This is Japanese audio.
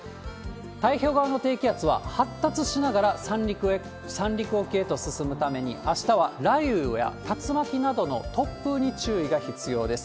太平洋側の低気圧は、発達しながら三陸沖へと進むために、あしたは雷雨や竜巻などの突風に注意が必要です。